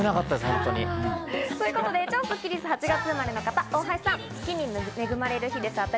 超スッキりすは８月生まれ、大橋さんです。